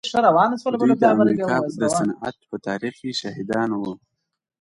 دوی د امريکا د صنعت په تاريخ کې شاهدان وو.